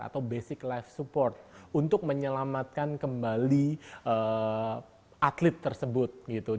atau basic life support untuk menyelamatkan kembali atlet tersebut gitu